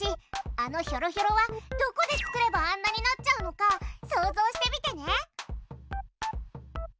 あのひょろひょろはどこで作ればあんなになっちゃうのか想像してみてね。